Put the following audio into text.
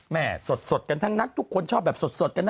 สดกันทั้งนักทุกคนชอบแบบสดกันนะ